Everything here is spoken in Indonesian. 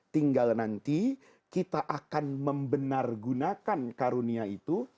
tinggal nanti kita akan membenargunakan karunia itu